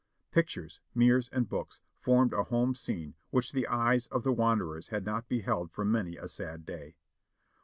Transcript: Pictures, mirrors and books formed a home scene which the eyes of the wanderers had not beheld for many a sad day.